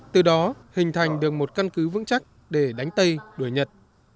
từ đó hình thành được một căn cứ vững chắc để đánh tây đuổi nhật